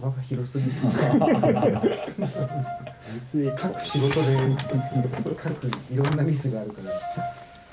各仕事で各いろんなミスがあるから。